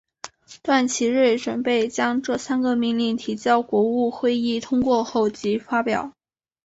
段祺瑞准备将这三个命令提交国务会议通过后即发表。